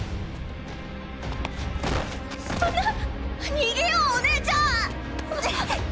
そんな⁉逃げようお姉ちゃん！